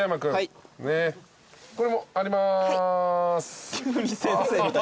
これもあります。